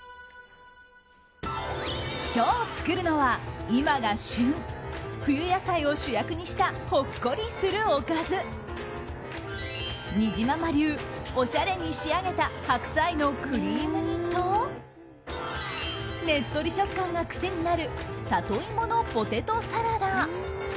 今日作るのは、今が旬冬野菜を主役にしたほっこりするおかず。にじまま流、おしゃれに仕上げた白菜のクリーム煮とねっとり食感が癖になるサトイモのポテトサラダ。